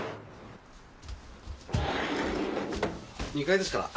２階ですから。